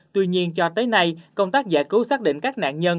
tuy nhiên cho tới nay công tác giải cứu xác định các nạn nhân